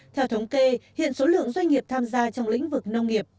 theo thống kê hiện số lượng doanh nghiệp tham gia trong lĩnh vực nông nghiệp